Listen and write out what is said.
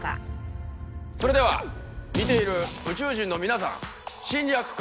それでは見ている宇宙人の皆さん侵略か。